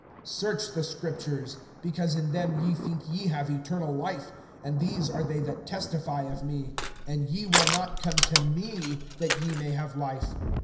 (39)Search[5:39] the Scriptures; because in them ye think ye have eternal life, and these are they that testify of me; (40)and ye will not come to me, that ye may have life.